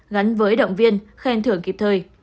gắn với động viên khen thưởng kịp thời